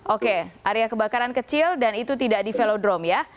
oke area kebakaran kecil dan itu tidak di velodrome ya